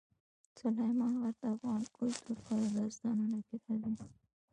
سلیمان غر د افغان کلتور په داستانونو کې راځي.